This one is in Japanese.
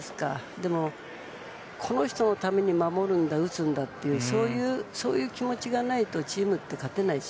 でもこの人のために守るんだ、打つんだというそういう気持ちがないとチームって勝てないし。